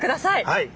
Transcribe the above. はい。